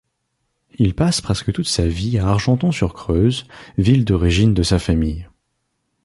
Il passe presque toute sa vie à Argenton-sur-Creuse, ville d'origine de sa famille.